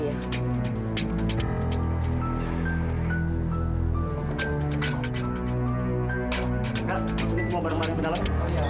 ibu masukkan semua barang barang ke dalam